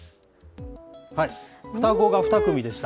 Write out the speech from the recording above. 双子が２組でした。